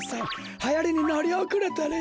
はやりにのりおくれとるよ